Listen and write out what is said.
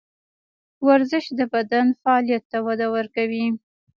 ورزش د بدن فعالیت ته وده ورکوي.